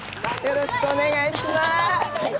よろしくお願いします。